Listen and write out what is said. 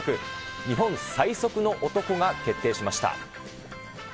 日本最速の男が決定しました。